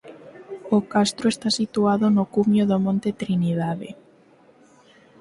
O castro está situado no cumio do monte Trinidade.